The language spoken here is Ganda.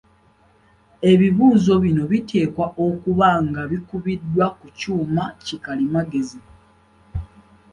Ebibuuzo bino biteekwa okuba nga bikubiddwa ku kyuma ki kalimagezi.